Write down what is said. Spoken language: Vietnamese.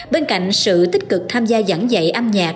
bên cạnh sự tích cực tham gia giảng dạy âm nhạc